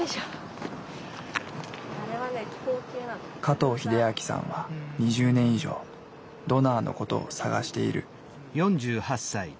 加藤英明さんは２０年以上ドナーのことを探している。